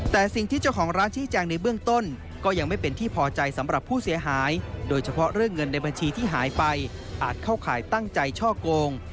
แต่สิ่งที่เจ้าของร้านชี้แจงในเบื้องต้นก็ยังไม่เป็นที่พอใจสำหรับผู้เสียหายโดยเฉพาะเรื่องเงินในบัญชีที่หายไปอาจเข้าข่ายตั้งใจช่อโกง